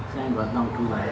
saya yang gotong dua ya